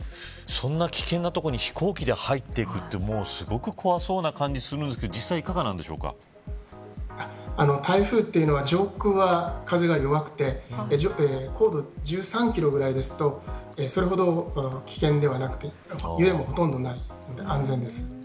そんな危険な所に飛行機で入っていくってすごく怖そうな感じがするんですが台風というのは上空は風が弱くて高度１３キロぐらいですとそれほど危険ではなくて揺れもほとんどないので安全です。